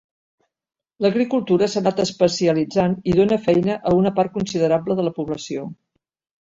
L'agricultura s'ha anat especialitzant i dóna feina a una part considerable de la població.